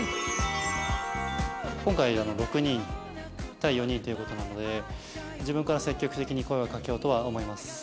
今回６人対４人という事なので自分から積極的に声をかけようとは思います。